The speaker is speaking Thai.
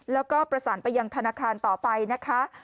แล้วก็ประสานไปยังธนาคารต่อไปนะคะ